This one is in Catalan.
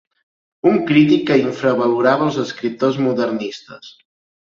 Un crític que infravalorava els escriptors modernistes.